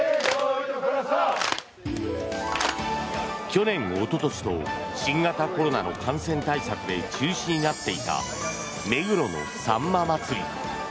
去年、おととしと新型コロナの感染対策で中止になっていた目黒のさんま祭。